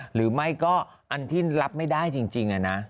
หรือไม่ก็อันที่รับไม่ได้จริงนะ